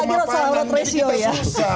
kita bicara lagi soal ratio ya